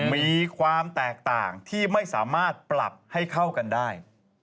มีความแตกต่างที่ไม่สามารถปรับให้เข้ากันได้